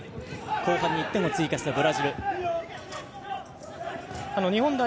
後半に１点を追加したブラジル。